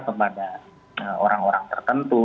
kepada orang orang tertentu